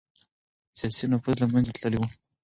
سياسي نفوذ له منځه تللی و.